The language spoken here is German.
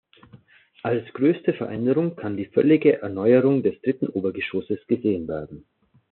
Als größte Veränderung kann die völlige Erneuerung des dritten Obergeschosses gesehen werden.